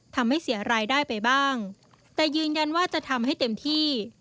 ทำให้เสียรายได้ไปบ้างแต่ยืนยันว่าจะทำให้เต็มที่